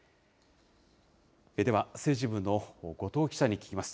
では、政治部の後藤記者に聞きます。